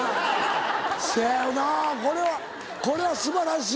せやよなこれは素晴らしい。